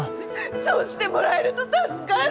そうしてもらえると助かる！